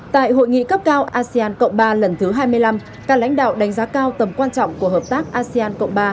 tại hội nghị cấp cao asean cộng ba lần thứ hai mươi năm các lãnh đạo đánh giá cao tầm quan trọng của hợp tác asean cộng ba